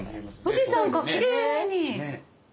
富士山がきれいに！